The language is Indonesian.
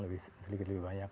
lebih sedikit lebih banyak